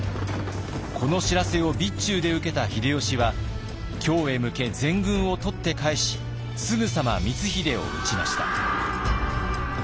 この知らせを備中で受けた秀吉は京へ向け全軍を取って返しすぐさま光秀を討ちました。